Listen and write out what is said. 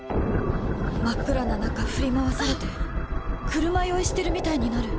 真っ暗な中振り回されて車酔いしてるみたいになる！